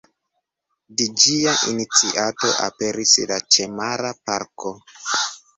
De ĝia iniciato aperis la ĉemara parko.